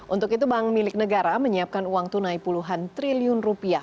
untuk itu bank milik negara menyiapkan uang tunai puluhan triliun